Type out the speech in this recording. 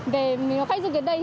về mình có khách dùng đến đây